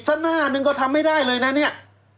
หน้าหนึ่งก็ทำไม่ได้เลยนะเนี่ย